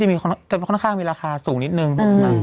อันนี้ข้างหน้าข้างมีราคาสูงนิดหนึ่ง